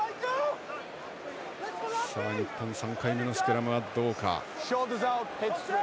日本３回目のスクラムはどうか。